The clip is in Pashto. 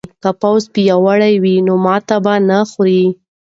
که پوځ پیاوړی وای نو ماتې به یې نه خوړه.